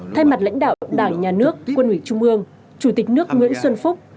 thay mặt lãnh đạo đảng nhà nước quân ủy trung ương chủ tịch nước nguyễn xuân phúc